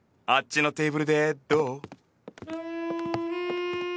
あっちのテーブルでどう？